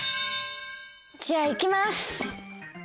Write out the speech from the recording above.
じゃあいきます。